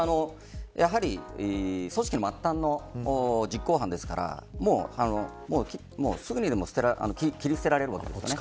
組織の末端の実行犯ですからすぐにでも切り捨てられるわけです。